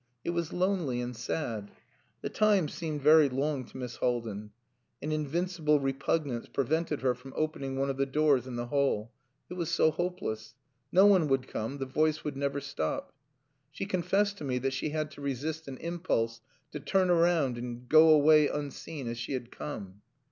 It was lonely and sad. The time seemed very long to Miss Haldin. An invincible repugnance prevented her from opening one of the doors in the hall. It was so hopeless. No one would come, the voice would never stop. She confessed to me that she had to resist an impulse to turn round and go away unseen, as she had come.